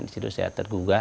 di situ saya tergugah